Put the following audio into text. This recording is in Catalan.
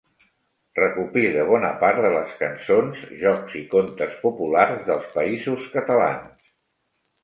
Recopile bona part de les cançons, jocs i contes populars dels Països Catalans.